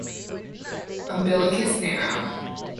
Umbilicus narrow.